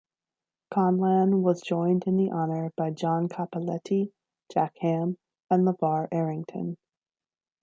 Conlan was joined in the honor by John Cappelletti, Jack Ham and LaVar Arrington.